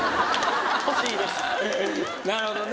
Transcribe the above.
なるほどね。